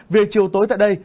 về chiều tối tại đây